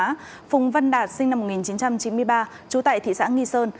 phùng văn đạt sinh năm một nghìn chín trăm chín mươi ba trú tại thị xã nghi sơn